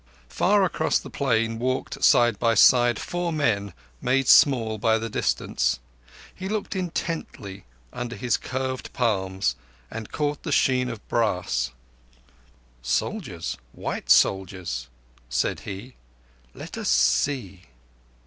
Far across the plain walked side by side four men, made small by the distance. He looked intently under his curved palms and caught the sheen of brass. "Soldiers. White soldiers!" said he. "Let us see."